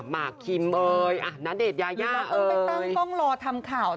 มากคิมเบย์นัดเดชยายาเบย์เดี๋ยวมากคุณไปตั้งกล้องรอทำข่าว